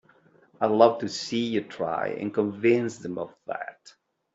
I'd love to see you try and convince them of that!